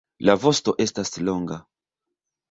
La vosto estas longa.